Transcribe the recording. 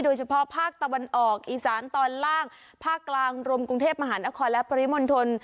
โดยเฉพาะภาคตะวันออกอีสานตอนล่างภาคกลางรวมกรุงเทพมหานครและปริมณฑล